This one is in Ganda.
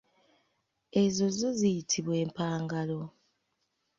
Ezo zo ziyitibwa empangalo.